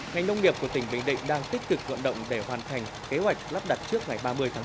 ngành nông nghiệp của tỉnh bình định đang tích cực vận động để hoàn thành kế hoạch lắp đặt trước ngày ba mươi tháng bốn